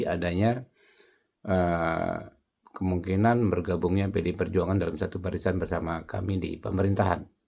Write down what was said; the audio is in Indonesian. adanya kemungkinan bergabungnya pd perjuangan dalam satu barisan bersama kami di pemerintahan